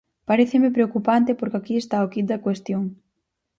Paréceme preocupante porque aquí está o quid da cuestión.